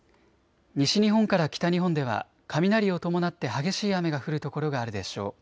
西日本から北日本では雷を伴って激しい雨が降る所があるでしょう。